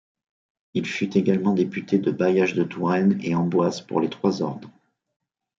Il fut également député du Bailliage de Touraine et Amboise pour les trois ordres.